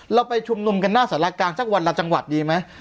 เราไปชุมนุมกันหน้าสารกลางสักวันละจังหวัดดีไหม